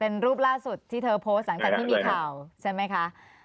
เป็นรูปล่าสุดที่เธอโพสต์หลังจากที่มีข่าวใช่ไหมคะ